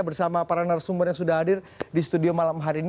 bersama para narasumber yang sudah hadir di studio malam hari ini